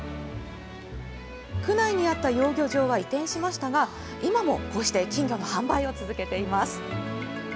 区内にあった養魚場は移転しましたが、今もこうして金魚の販売を続けています。